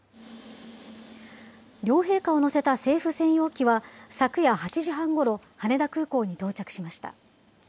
両陛下を乗せた政府専用機は、昨夜８時半ごろ、羽田空港に到着しました。